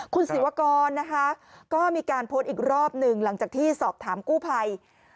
คุณศิวกรนะคะก็มีการโพสต์อีกรอบหนึ่งหลังจากที่สอบถามกู้ภัย